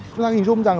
tôi đang hình dung rằng